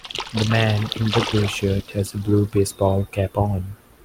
The man in the gray shirt has a blue baseball cap on.